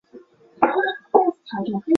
伯牛与冉雍同宗。